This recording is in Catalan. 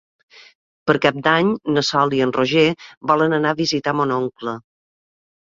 Per Cap d'Any na Sol i en Roger volen anar a visitar mon oncle.